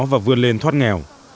và vươn lên thoát nghèo